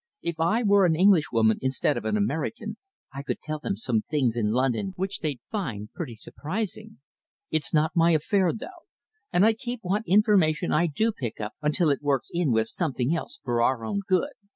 If I were an Englishwoman instead of an American, I could tell them some things in London which they'd find pretty surprising. It's not my affair, though, and I keep what information I do pick up until it works in with something else for our own good.